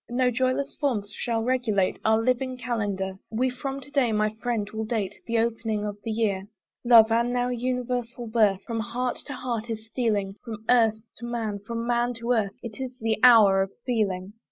No joyless forms shall regulate Our living Calendar: We from to day, my friend, will date The opening of the year. Love, now an universal birth. From heart to heart is stealing, From earth to man, from man to earth, It is the hour of feeling.